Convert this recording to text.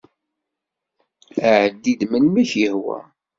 Ɛeddi-d melmi i ak-yehwa.